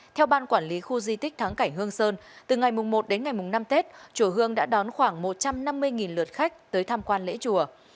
theo ban quản lý khu di tích thắng cảnh hương sơn từ ngày một đến ngày năm tết chùa hương đã đón khoảng một trăm năm mươi lượt khách tới tham quan lễ chùa